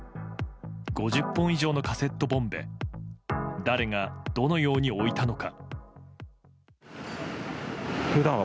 ５０本以上のカセットボンベ誰がどのように置いたのか。